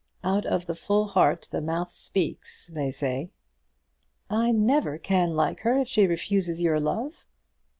Out of the full heart the mouth speaks, they say." "I never can like her if she refuses your love."